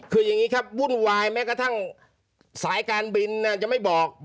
คืออย่างนี้ครับวุ่นวายแม้กระทั่งสายการบินจะไม่บอก